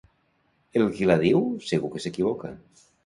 El qui la diu, segur que s'equivoca.